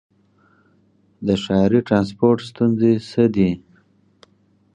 د ښاري ټرانسپورټ ستونزې څه دي؟